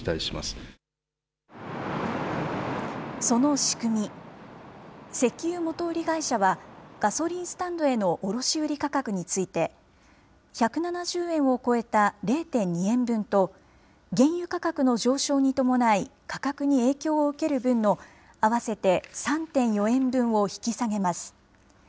その仕組み、石油元売り会社は、ガソリンスタンドへの卸売り価格について、１７０円を超えた０．２円分と、原油価格の上昇に伴い価格に影響を受ける分の合わせて３．４円分を引き下げます。